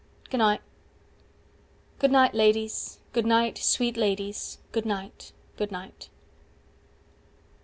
Goonight. Good night, ladies, good night, sweet ladies, good night, good night.